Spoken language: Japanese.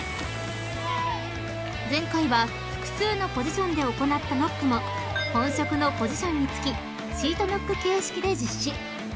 ［前回は複数のポジションで行ったノックも本職のポジションにつきシートノック形式で実施］